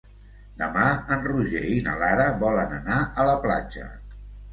Demà en Roger i na Lara volen anar a la platja.